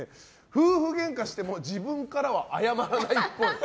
夫婦ゲンカしても自分からは謝らないっぽい。